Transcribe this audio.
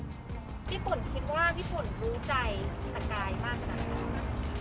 พี่ปุ่นคิดว่าพี่ปุ่นรู้ใจตะกายมากขนาดนี้